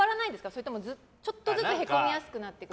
それともちょっとずつへこみやすくなってる？